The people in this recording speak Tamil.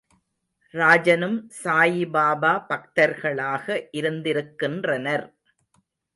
ராஜனும் சாயிபாபா பக்தர்களாக இருந்திருக்கின்றனர்.